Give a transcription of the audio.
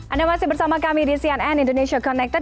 anda masih bersama kami di cnn indonesia connected